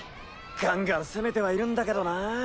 ガンガン攻めてはいるんだけどな。